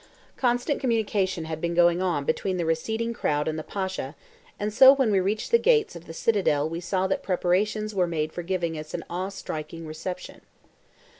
Constant communication had been going on between the receding crowd and the Pasha, and so when we reached the gates of the citadel we saw that preparations were made for giving us an awe striking reception.